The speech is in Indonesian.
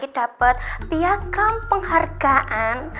kiki dapet biagam penghargaan